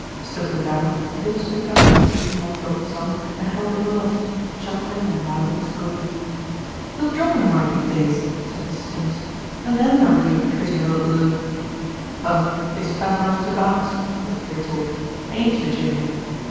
Stooping down, Tims picked up his eighteen months old son and held him aloft, chuckling and mouthing his glee. "You'll drop him one of these days," said Mrs. Tims, "and then there'll be a pretty hullaballoo." "Well, he's fat enough to bounce," was the retort. "Ain't you, Jimmy?"